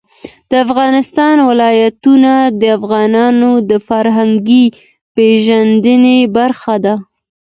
د افغانستان ولايتونه د افغانانو د فرهنګي پیژندنې برخه ده.